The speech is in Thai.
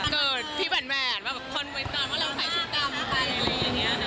เกิดพี่แหวนแหวนว่าคนเมืองตอนว่าเราใส่ชุดกรรมไปอะไรอย่างนี้